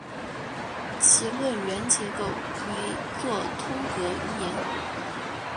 其论元结构为作通格语言。